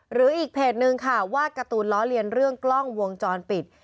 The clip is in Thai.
หรืออีกเพจนึงค่ะวาดการ์ตูนล้อเลียนเรื่องกล้องวงจรปิด